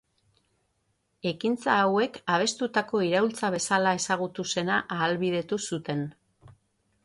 Ekintza hauek abestutako iraultza bezala ezagutu zena ahalbidetu zuten.